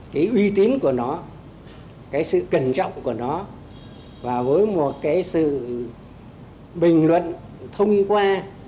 cái uy tín của nó cái sự cẩn trọng của nó và với một cái sự bình luận thông qua